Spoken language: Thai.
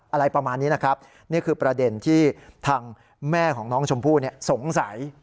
อะไรประมาณนี้นะครับนี่คือประเด็นที่ทางแม่ของน้องชมพู่สงสัย